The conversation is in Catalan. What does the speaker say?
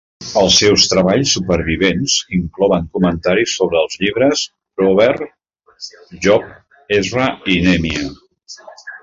Els seus treballs supervivents inclouen comentaris sobre els llibres Proverbs, Job, Ezra i Nehemiah.